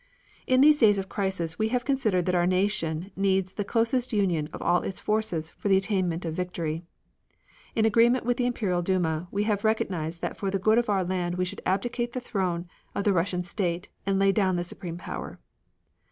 In these days of crisis we have considered that our nation needs the closest union of all its forces for the attainment of victory. In agreement with the Imperial Duma, we have recognized that for the good of our land we should abdicate the throne of the Russian state and lay down the supreme power.